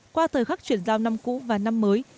qua thời khắc chuyển giao năm cũ và năm mới